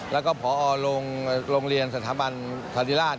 แล้วก็พอโรงเรียนสถาบันธติราช